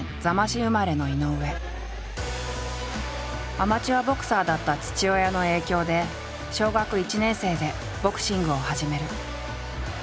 アマチュアボクサーだった父親の影響で小学１年生でボクシングを始める。